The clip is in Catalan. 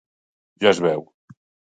Ja es veu.